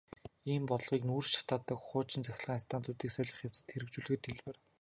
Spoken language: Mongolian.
Ийм бодлогыг нүүрс шатаадаг хуучин цахилгаан станцуудыг солих явцад хэрэгжүүлэхэд хялбар.